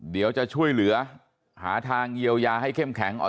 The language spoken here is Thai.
เดี๋ยวจะช่วยเหลือหาทางเยียวยาให้เข้มแข็ง